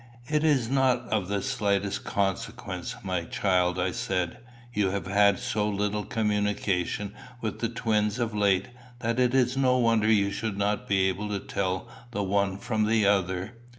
"It is not of the slightest consequence, my child," I said. "You have had so little communication with the twins of late, that it is no wonder you should not be able to tell the one from the other."